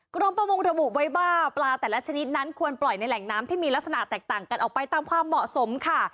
กรมประมงระบุไว้ว่าปลาแต่ละชนิดนั้นควรปล่อยในแหล่งน้ำที่มีลักษณะแตกต่างกันออกไปตามความเหมาะสมค่ะ